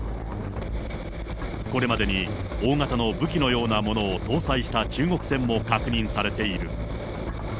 これまでに大型の武器のようなものを搭載した中国船も確認されている。